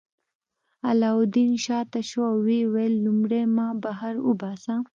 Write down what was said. علاوالدین شاته شو او ویې ویل لومړی ما بهر وباسه.